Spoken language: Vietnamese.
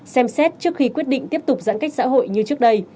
xem xét trước khi quyết định tiếp tục giãn cách xã hội như trước đây